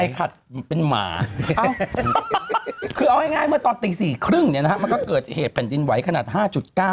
ให้ขัดเป็นหมาคือเอาง่ายเมื่อตอนตี๔๓๐มันก็เกิดเหตุแผ่นดินไหวขนาด๕๙